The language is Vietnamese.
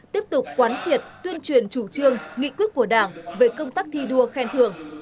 tiếp tục quán triệt tuyên truyền chủ trương nghị quyết của đảng về công tác thi đua khen thưởng